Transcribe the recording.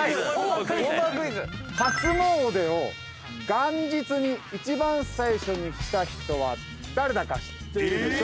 初詣を元日に一番最初にした人は誰だか知っているでしょうか？